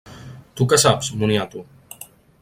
Tu què saps, moniato?